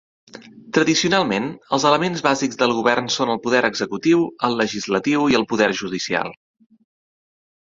Tradicionalment, els elements bàsics del govern són el poder executiu, el legislatiu i el poder judicial.